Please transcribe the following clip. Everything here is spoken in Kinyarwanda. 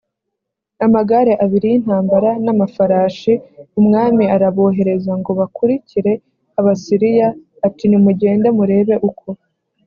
amagare abiri y intambara n amafarashi umwami arabohereza ngo bakurikire abasiriya ati nimugende murebe uko